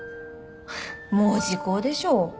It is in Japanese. もう時効でしょ。